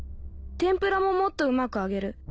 天ぷらももっとうまく揚げる